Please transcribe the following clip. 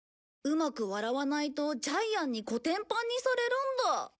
うまく笑わないとジャイアンにコテンパンにされるんだ。